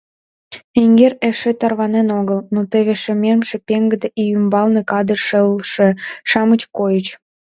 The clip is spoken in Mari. Эҥер эше тарванен огыл, но теве шемемше пеҥгыде ий ӱмбалне кадыр шелше-шамыч койыч.